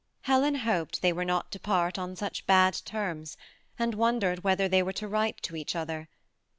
Helen hoped thej were not to part on such bad terms^ and wondered whether they were to write to each other.